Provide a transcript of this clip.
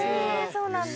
そうなんだ。